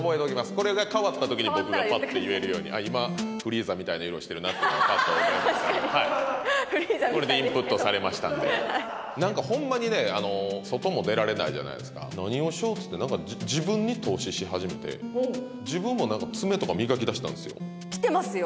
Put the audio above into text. これが変わった時に僕がパッと言えるように今フリーザみたいな色してるなっていうのが確かにフリーザみたいですけどこれでインプットされましたんで何かホンマにね外も出られないじゃないですか何をしようっつって何か自分に投資し始めて自分も何か爪とか磨きだしたんすよ来てますよ